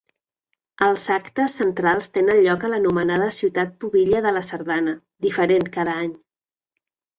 Els actes centrals tenen lloc a l'anomenada Ciutat Pubilla de la Sardana, diferent cada any.